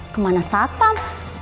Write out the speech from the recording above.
kemana saat pak